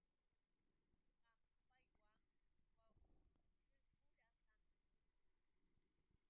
Qam paywan wawqipura kanki.